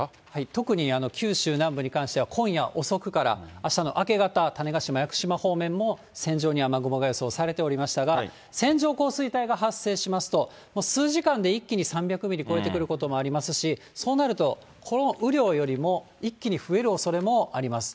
特に九州南部に関しては、今夜遅くからあしたの明け方、種子島、屋久島方面も線状に雨雲が予想されておりましたが、線状降水帯が発生しますと、もう数時間で一気に３００ミリ超えてくることもありますし、そうなると、この雨量よりも一気に増えるおそれもあります。